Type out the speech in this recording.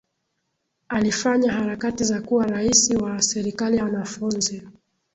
alifanya harakati za kuwa raisi wa serikali ya wanafunzi